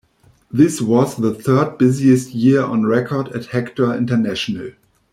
This was the third busiest year on record at Hector International.